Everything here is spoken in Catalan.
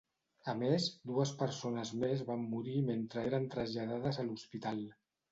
A més, dues persones més van morir mentre eren traslladades a l'hospital.